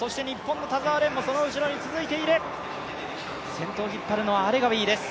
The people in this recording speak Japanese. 先頭を引っ張るのはアレガウィです。